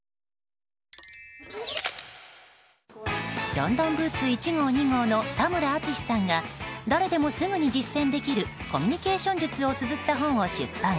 ロンドンブーツ１号２号の田村淳さんが誰でもすぐに実践できるコミュニケーション術をつづった本を出版。